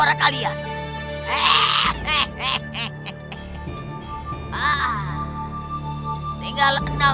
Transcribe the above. saya masih dengan anda